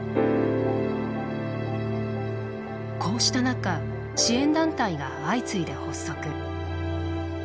こうした中支援団体が相次いで発足。